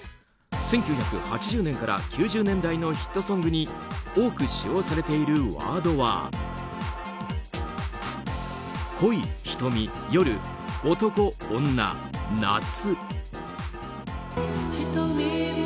１９８０年から９０年代のヒットソングに多く使用されているワードは恋、瞳、夜、男、女、夏。